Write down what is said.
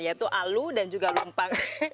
yaitu alu dan juga lumpang